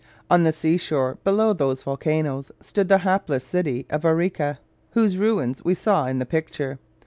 On the sea shore below those volcanos stood the hapless city of Arica, whose ruins we saw in the picture.